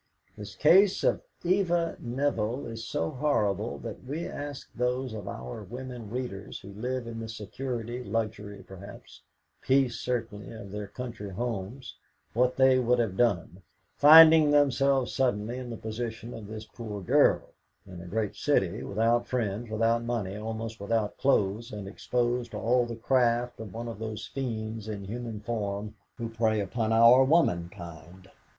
"This case of Eva Nevill is so horrible that we ask those of our women readers who live in the security, luxury perhaps, peace certainly, of their country homes, what they would have done, finding themselves suddenly in the position of this poor girl in a great city, without friends, without money, almost without clothes, and exposed to all the craft of one of those fiends in human form who prey upon our womankind.